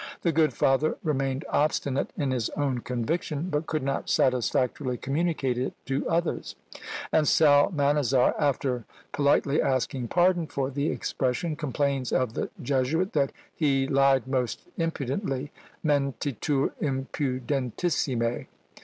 The good father remained obstinate in his own conviction, but could not satisfactorily communicate it to others; and Psalmanazar, after politely asking pardon for the expression, complains of the Jesuit that "HE _lied most impudently," mentitur impudentissime!